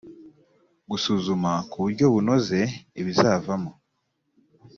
gusuzuma ku buryo bunoze ibizavamo